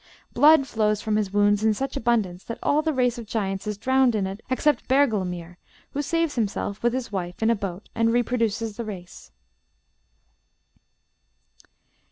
Blood flows from his wounds in such abundance that all the race of giants is drowned in it except Bergelmir, who saves himself, with his wife, in a boat, and reproduces the race.